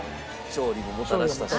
勝利ももたらしたし。